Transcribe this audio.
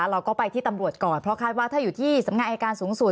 เราก็ไปที่ตำรวจก่อนเพราะคาดว่าถ้าอยู่ที่สำงานอายการสูงสุด